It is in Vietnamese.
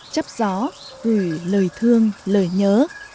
chấp gió gửi lời thương lời nhớ